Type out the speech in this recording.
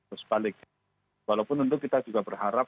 terus balik walaupun tentu kita juga berharap